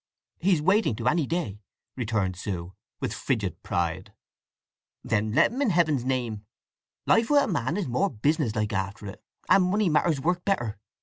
"He's waiting to, any day," returned Sue, with frigid pride. "Then let him, in Heaven's name. Life with a man is more businesslike after it, and money matters work better.